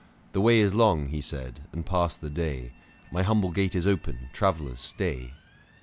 The way is long, he said, and passed the day, My humble gate is open, travellers, stay.